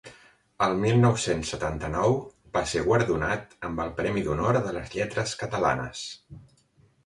El mil nou-cents setanta-nou va ser guardonat amb el Premi d'Honor de les Lletres Catalanes.